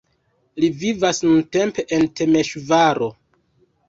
Li vivas nuntempe en Temeŝvaro.